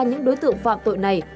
những đối tượng phạm tội này